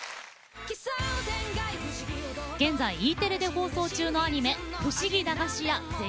現在Ｅテレで放送中のアニメ